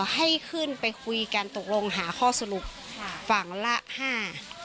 ให้ขึ้นไปคุยกันตกลงหาข้อสรุปค่ะฝั่งละห้า